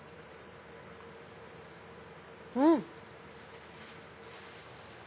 うん！